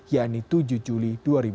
yaitu tujuh juli dua ribu delapan belas